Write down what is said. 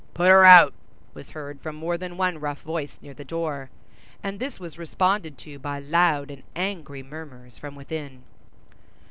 "Put her out!" was heard from more than one rough voice near the door, and this was responded to by loud and angry murmurs from within.